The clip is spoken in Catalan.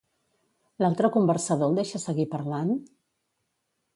L'altre conversador el deixa seguir parlant?